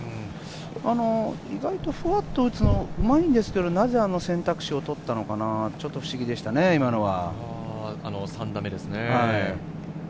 意外とふわっと打つのはうまいんですけど、なぜあの選択肢を取ったのか、ちょっと不思議でしたね、今のは。